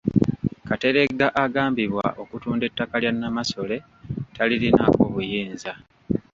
Kateregga agambibwa okutunda ettaka lya Nnamasole talirinaako buyinza.